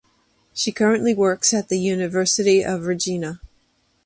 She currently works at the University of Regina.